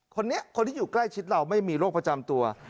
คนนี้คนที่อยู่ใกล้ชิดเราไม่มีโรคประจำตัว